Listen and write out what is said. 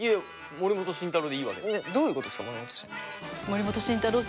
森本慎太郎。